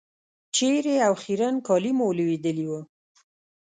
چېرې او خیرن کالي مو لوېدلي وو.